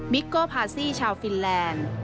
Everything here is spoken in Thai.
โก้พาซี่ชาวฟินแลนด์